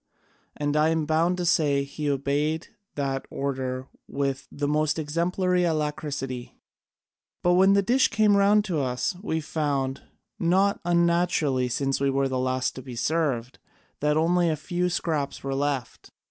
And I am bound to say he obeyed that order with the most exemplary alacrity. But when the dish came round to us, we found, not unnaturally, since we were the last to be served, that only a few scraps were left.